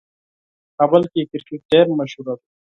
کابل کې کرکټ ډېر مشهور دی.